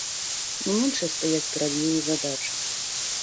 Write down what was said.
Не меншыя стаяць перад ёю і задачы.